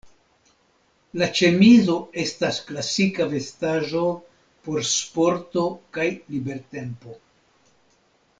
La ĉemizo estas klasika vestaĵo por sporto kaj libertempo.